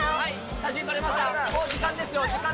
写真撮れましたか？